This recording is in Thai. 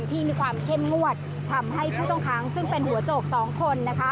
ที่มีความเข้มงวดทำให้ผู้ต้องค้างซึ่งเป็นหัวโจก๒คน